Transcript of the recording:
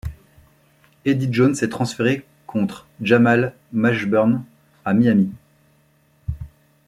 Eddie Jones est transféré contre Jamal Mashburn à Miami.